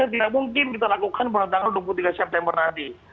tidak mungkin kita lakukan perantangan dua puluh tiga september tadi